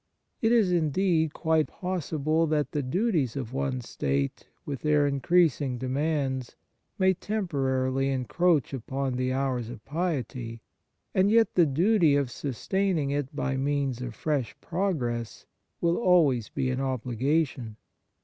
It is, indeed, quite possible that the duties of one's state, with their in creasing demands, may temporarily encroach upon the hours of piety, and yet the duty of sustaining it by means of fresh progress will always be an obligation.